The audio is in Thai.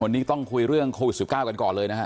วันนี้ต้องคุยเรื่องโควิด๑๙กันก่อนเลยนะฮะ